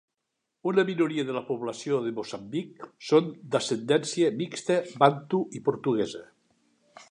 Una minoria de la població de Moçambic són d'ascendència mixta bantu i portuguesa.